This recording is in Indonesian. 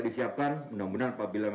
disiapkan benar benar apabila